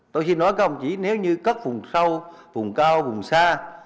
tôi xin nói các ông chỉ nếu như cất vùng sâu vùng cao vùng xa